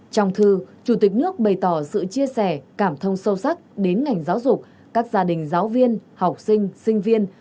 trong thư chủ tịch nước bày tỏ sự chia sẻ cảm thông sâu sắc đến ngành giáo dục các gia đình giáo viên học sinh sinh viên